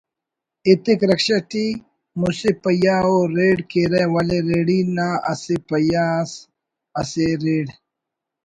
ایتک رکشہ ٹی مسہ پہیہ ءُ ریڑ کیرہ ولے ریڑی نا اسہ پہیہ اسے ریڑ